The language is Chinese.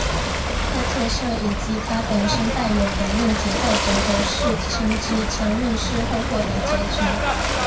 这特色以及它本身带有的问题在九九式轻机枪问世后获得解决。